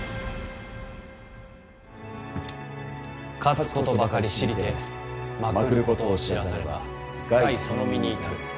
勝事ばかり知りて負くることを知らざれば害その身にいたる。